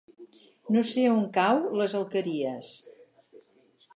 No sé on cau les Alqueries.